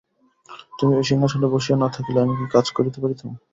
তুমি ওই সিংহাসনে বসিয়া না থাকিলে আমি কি কাজ করিতে পারিতাম?